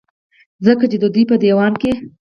ځکه چې د دوي پۀ ديوان کې